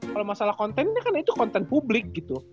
kalau masalah kontennya kan itu konten publik gitu